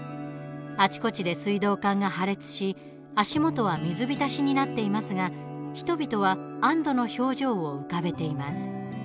あちこちで水道管が破裂し足元は水浸しになっていますが人々は安どの表情を浮かべています。